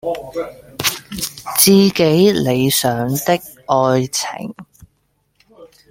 自己理想的愛情